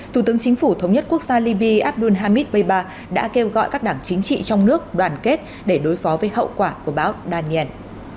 thủ tướng chính phủ thống nhất quốc gia liby abdul hamid peba đã kêu gọi các đảng chính trị trong nước đoàn kết để đối phó với hậu quả của bão daniel